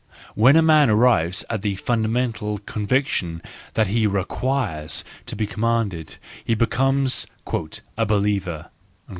When a man arrives at the fundamental conviction that he requires to be commanded, he becomes " a believer."